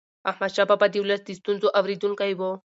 احمدشاه بابا د ولس د ستونزو اورېدونکی و.